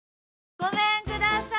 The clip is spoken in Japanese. ごめんください。